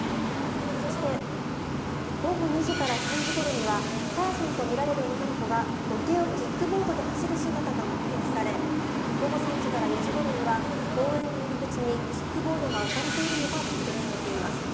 そして午後２時から３時ごろには朝芽さんとみられる女の子が土手をキックボードで走る姿が目撃され午後３時から４時ごろには公園の入り口にキックボードが置かれているのが目撃されています。